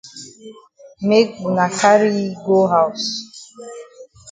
Make wuna carry yi go haus.